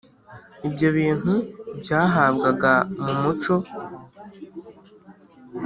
ibyo bintu byahabwaga mu muco